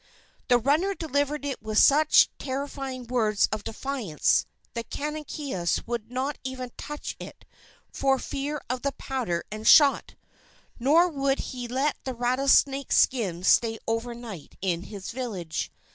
The runner delivered it with such terrifying words of defiance, that Canonicus would not even touch it for fear of the powder and shot, nor would he let the rattlesnake skin stay overnight in his village.